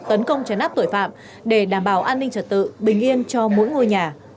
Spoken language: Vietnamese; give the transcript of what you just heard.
tấn công chấn áp tội phạm để đảm bảo an ninh trật tự bình yên cho mỗi ngôi nhà